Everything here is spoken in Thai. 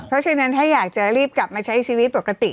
เพราะฉะนั้นถ้าอยากจะรีบกลับมาใช้ชีวิตปกติ